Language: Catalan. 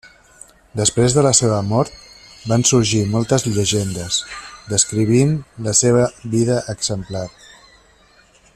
Després de la seva mort van sorgir moltes llegendes, descrivint la seva vida exemplar.